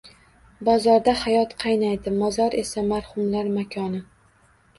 Bozorda hayot qaynaydi... mozor esa marhumlar makoni...